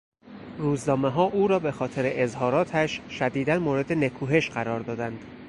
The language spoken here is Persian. روزنامهها او را به خاطر اظهاراتش شدیدا مورد نکوهش قرار دادند.